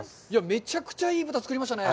めちゃくちゃいい豚作りましたね。